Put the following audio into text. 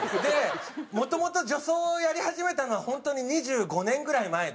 もともと女装をやり始めたのは本当に２５年ぐらい前で。